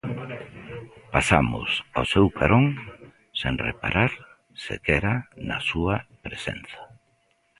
Pasamos ao seu carón sen reparar sequera na súa presenza.